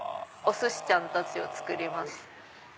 『お寿司ちゃん』たちを作りました。